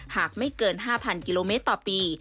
หากไม่เกิน๕๐๐กิโลเมตรต่อปี